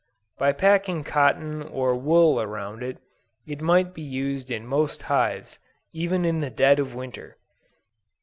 By packing cotton or wool around it, it might be used in most hives, even in the dead of Winter.